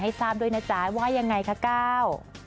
ทราบด้วยนะจ๊ะว่ายังไงคะก้าว